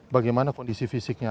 bagaimana kondisi fisiknya